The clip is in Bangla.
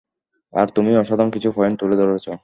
আর তুমি অসাধারণ কিছু পয়েন্ট তুলে ধরেছ।